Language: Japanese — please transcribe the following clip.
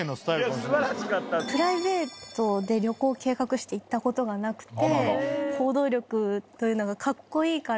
プライベートで旅行計画して行ったことがなくて。